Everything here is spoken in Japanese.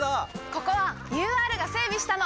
ここはＵＲが整備したの！